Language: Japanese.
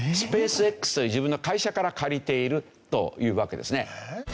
ＳｐａｃｅＸという自分の会社から借りているというわけですね。